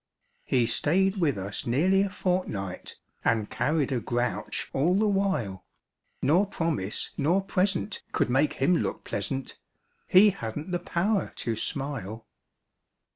He stayed with us nearly a fortnight And carried a grouch all the while, Nor promise nor present could make him look pleasant; He hadn't the power to smile.